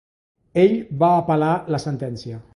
Ell va apel·lar la sentència.